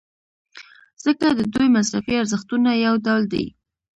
ځکه د دوی مصرفي ارزښتونه یو ډول دي.